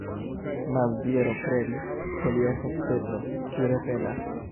Maziero kredis, ke li estas Petro, kiu revenas.